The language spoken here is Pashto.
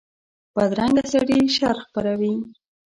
بدرنګه سړي شر خپروي